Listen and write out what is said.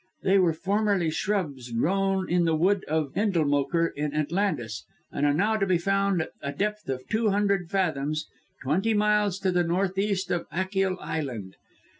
They were formerly shrubs growing in the wood of Endlemoker in Atlantis, and are now to be found at a depth of two hundred fathoms, twenty miles to the north east of Achill Island.